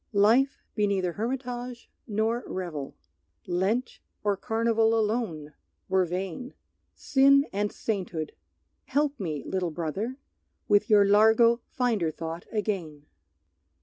Life be neither hermitage nor revel; Lent or carnival alone were vain; Sin and sainthood Help me, little brother, With your largo finder thought again!